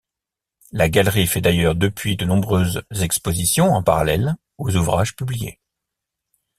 La galerie fait d'ailleurs depuis de nombreuses expositions en parallèle aux ouvrages publiés.